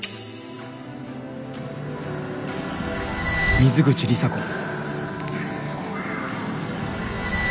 「水口里紗子」。